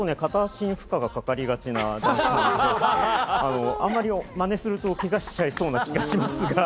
片足に負荷がかかりがちなんですけれど、あまりマネすると、けがしちゃいそうな気がしますが。